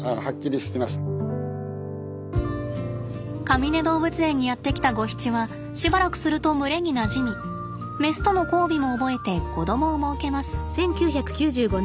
かみね動物園にやって来たゴヒチはしばらくすると群れになじみメスとの交尾も覚えて子供を設けます。